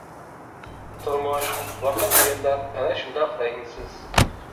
تۇرمۇش، ۋاقىت دېگەنلەر ئەنە شۇنداق رەھىمسىز.